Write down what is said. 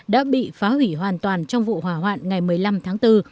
đã bị phá hủy hoàn toàn trong vụ hỏa hoạn ngày một mươi năm tháng bốn